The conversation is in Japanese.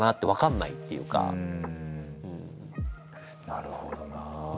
なるほどなあ。